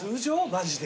マジで。